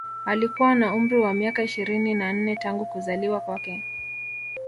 Alikuwa na umri wa miaka ishirini na nne tangu kuzaliwa kwake